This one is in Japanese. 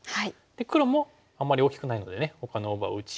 黒もあんまり大きくないのでほかの大場を打ち合うという。